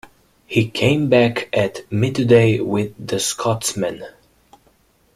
He came back at midday with the Scotsman.